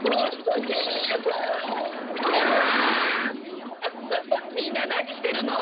ウフフみんななにしてるの？